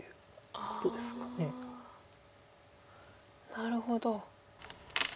なるほど。